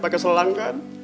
pakai selang gan